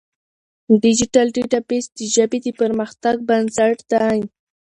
ډیجیټل ډیټابیس د ژبې د پرمختګ بنسټ دی.